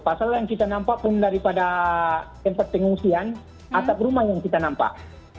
pasal yang kita nampak pun daripada tempat pengungsian atap rumah yang kita nampak